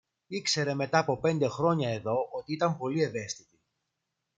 Ήξερε μετά από πέντε χρόνια εδώ ότι ήταν πολύ ευαίσθητοι